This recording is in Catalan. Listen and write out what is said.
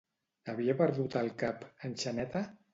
Havia perdut el cap, en Xaneta?